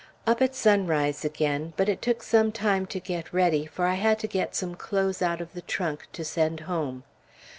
Up at sunrise again, but it took some time to get ready, for I had to get some clothes out of the trunk, to send home.